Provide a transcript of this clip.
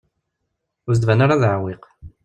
Ur as-d-tban ara d aɛewwiq.